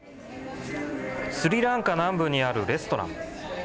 スリランカ南部にあるレストラン。